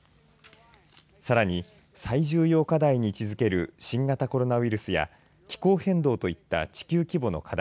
さらに最重要課題に位置づける新型コロナウイルスや気候変動といった地球規模の課題